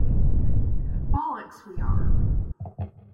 Bollocks we are!